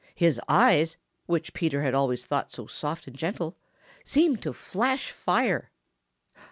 His eyes, which Peter had always thought so soft and gentle, seemed to flash fire.